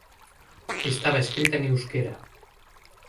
Estaba escrita en euskera.